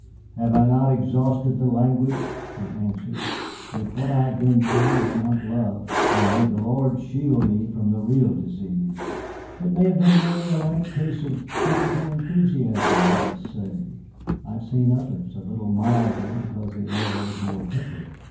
"Have I not exhausted the language?" he answered. "If what I have been through is not love, then may the Lord shield me from the real disease." "It may have been merely a light case of tropical enthusiasm, let us say. I have seen others, a little milder because the air was more temperate."